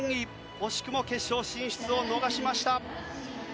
惜しくも決勝進出を逃しました。